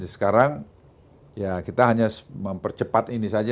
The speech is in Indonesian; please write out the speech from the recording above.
sekarang ya kita hanya mempercepat ini saja